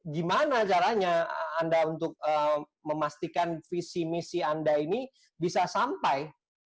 gimana caranya anda untuk memastikan visi misi anda ini bisa sampai